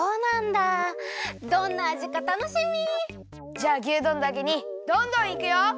じゃあ牛丼だけにどんどんいくよ！